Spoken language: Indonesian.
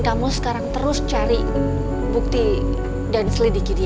aku gak mau menurutin semua perintahku dengan tandis